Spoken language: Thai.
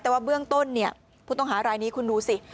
แต่ว่าเบื้องต้นเนี่ยผู้ต้องหารายนี้คุณดูสิ